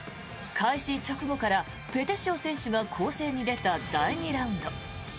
開始直後からペテシオ選手が攻勢に出た第２ラウンド。